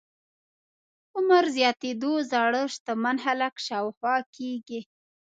عمر زياتېدو زاړه شتمن خلک شاوخوا کېږي.